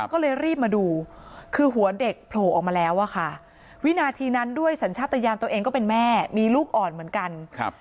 ก็เลยรีบมาดูคือหัวเด็กโผล่ออกมาแล้วอะค่ะวินาทีนั้นด้วยสัญชาติยานตัวเองก็เป็นแม่มีลูกอ่อนเหมือนกัน